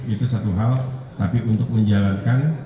itu satu hal tapi untuk menjalankan